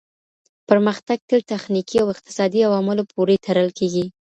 پرمختګ تل تخنیکي او اقتصادي عواملو پوري تړل کیږي.